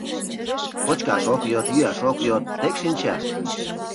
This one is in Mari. Кочкаш ок йод, йӱаш ок йод — тек шинча».